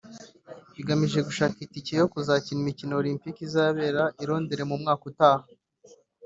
igamije gushaka itike yo kuzakina imikino Olympique izabera i Londres mu mwaka utaha